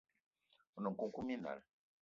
One nkoukouma minal